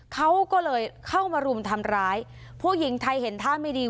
เขาก็เลยเข้ามารุมทำร้ายผู้หญิงไทยเห็นท่าไม่ดี